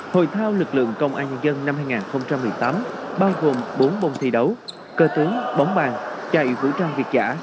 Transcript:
hội thao lực lượng công an nhân dân năm hai nghìn một mươi tám bao gồm bốn bông thi đấu cơ tướng bóng bàn chạy vũ trang việc trả